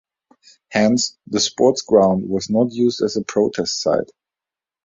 Hence, the sports ground was not used as a protest site.